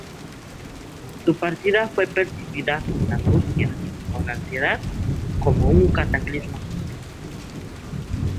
Su partida fue percibida con angustia, con ansiedad, como un "cataclismo social".